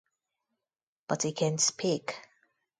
But he can speak.